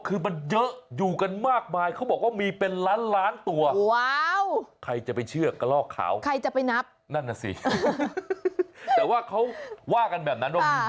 คือมันเยอะอยู่กันมากมายเค้าบอกว่ามีเป็นล้านตัวว้าว